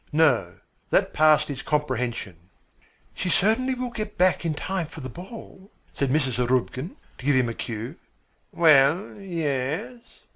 No, that passed his comprehension. "She certainly will get back in time for the ball," said Mrs. Zarubkin, to give him a cue. "Well, yes."